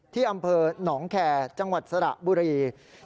ที่อำเภอหนองแคร์จังหวัดสระบุรี